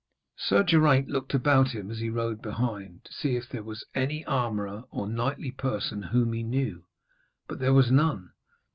Sir Geraint looked about him as he rode behind, to see if there was any armourer or knightly person whom he knew, but there was none.